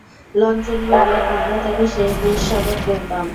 লক্ষ্মণগড়ে আমরা তাকে মেষশাবক বলতাম।